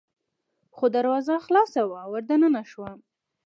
خو دروازه خلاصه وه، ور دننه شوم.